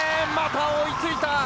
また追いついた！